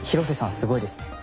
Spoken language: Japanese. すごいですね。